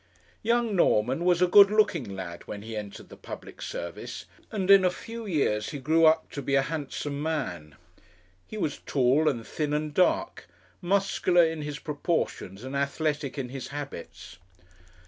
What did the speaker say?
Young Norman was a good looking lad when he entered the public service, and in a few years he grew up to be a handsome man. He was tall and thin and dark, muscular in his proportions, and athletic in his habits.